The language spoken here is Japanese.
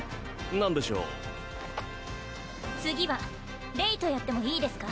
何でしょう次はレイとやってもいいですか？